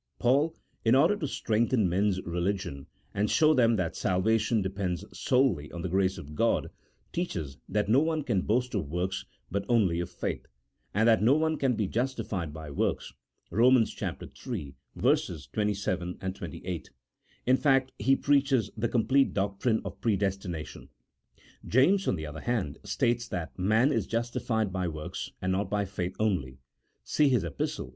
Paul, in order to strengthen men's religion, and show them that salvation depends solely on the grace of God, teaches that no one can boast of works, but only of faith, and that no one can be justified by works (Rom. iii. 27, 28) ; in fact, he preaches the complete doctrine of predestination. James, on the other hand, states that man is justified by works, and not by faith only (see his Epistle, ii.